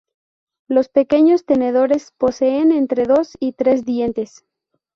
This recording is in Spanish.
Los pequeños tenedores poseen entre dos y tres dientes.